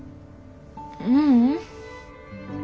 ううん。